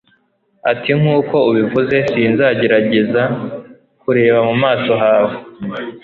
ati nk uko ubivuze sinzagerageza kureba mu maso hawe